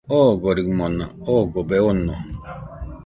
Ogorimona ogobe ono.